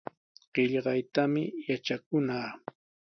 Qillqaytami yatrakunaa.